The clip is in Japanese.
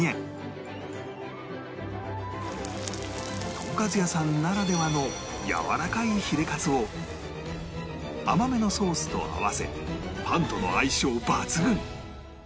とんかつ屋さんならではのやわらかいヒレかつを甘めのソースと合わせパンとの相性抜群！